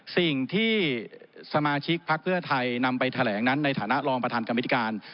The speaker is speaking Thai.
สิ่งที่สมาชิกพักเพื่อไทยนำไปแถลงนั้นในฐานะรองประธานกรรมธิการ